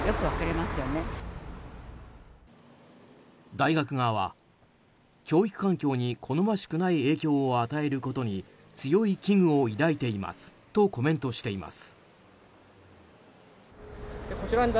大学側は教育環境に好ましくない影響を与えることに強い危惧を抱いていますとコメントしています。